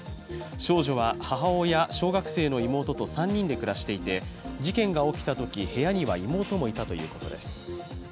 少女は母親、小学生の妹と３人で暮らしていて、事件が起きたとき部屋には妹もいたということです。